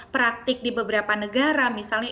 praktik di beberapa negara misalnya